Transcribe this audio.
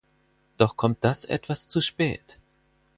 Doch kommt das etwas zu spät.